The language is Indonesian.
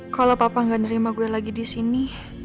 kalau papa gak nerima gue lagi disini